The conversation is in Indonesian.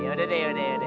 ya udah deh ya udah deh